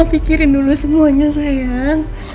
pikirin dulu semuanya sayang